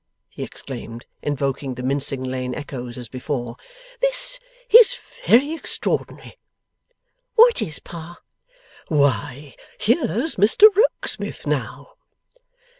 he exclaimed, invoking the Mincing Lane echoes as before. 'This is very extraordinary!' 'What is, Pa?' 'Why here's Mr Rokesmith now!